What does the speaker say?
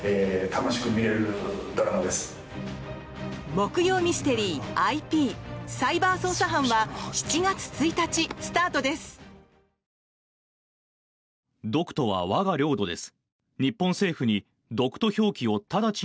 木曜ミステリー「ＩＰサイバー捜査班」は７月１日スタートです。